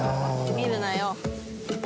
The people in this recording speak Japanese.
見るなよ。